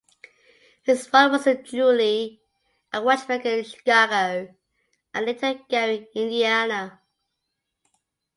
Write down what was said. His father was a jeweler and watchmaker in Chicago and later in Gary, Indiana.